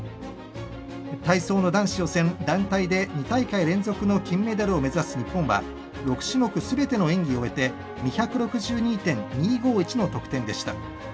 体操の男子予選団体で２大会連続の金メダルを目指す日本は６種目すべての演技を終えて２６２．２５１の得点でした。